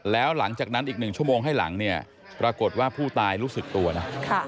แล้วหลังจากนั้นอีก๑ชั่วโมงให้หลังเนี่ยปรากฏว่าผู้ตายรู้สึกตัวนะ